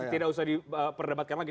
tidak usah diperdebatkan lagi